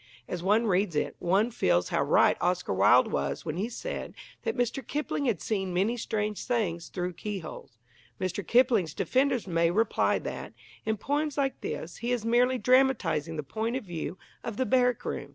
As one reads it, one feels how right Oscar Wilde was when he said that Mr. Kipling had seen many strange things through keyholes. Mr. Kipling's defenders may reply that, in poems like this, he is merely dramatizing the point of view of the barrack room.